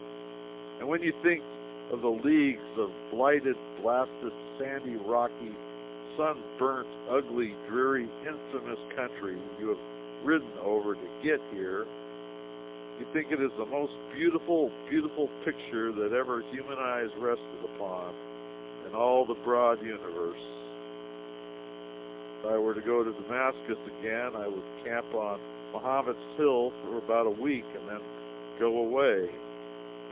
And when you think of the leagues of blighted, blasted, sandy, rocky, sun burnt, ugly, dreary, infamous country you have ridden over to get here, you think it is the most beautiful, beautiful picture that ever human eyes rested upon in all the broad universe! If I were to go to Damascus again, I would camp on Mahomet's hill about a week, and then go away.